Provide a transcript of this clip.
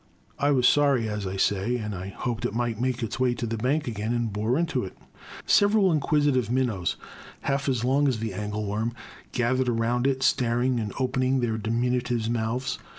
I was sorry, as I say, and I hoped it might make its way to the bank again and bore into it. Several inquisitive minnows, half as long as the angle worm, gathered around it staring and open ing their diminutive mouths.